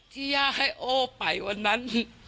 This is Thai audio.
ย่าให้โอ้ไปวันนั้น